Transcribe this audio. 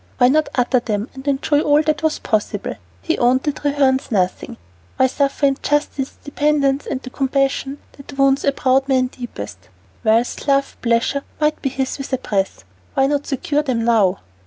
Why not utter them, and enjoy all that was possible? He owed the Trehernes nothing; why suffer injustice, dependence, and the compassion that wounds a proud man deepest? Wealth, love, pleasure might be his with a breath. Why not secure them now?